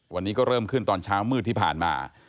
วันนี้ก็เริ่มขึ้นตอนเช้ามืดที่ผ่านมา